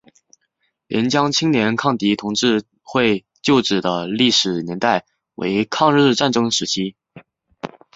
廉江青年抗敌同志会旧址的历史年代为抗日战争时期。